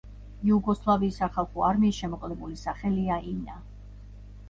იუგოსლავიის სახალხო არმიის შემოკლებული სახელია ინა.